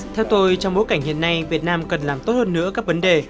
theo tôi trong bối cảnh hiện nay việt nam cần làm tốt hơn nữa các vấn đề